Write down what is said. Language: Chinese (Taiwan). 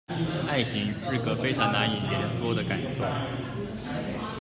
愛情是個非常難以言說的感受